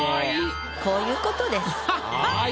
こういうことです。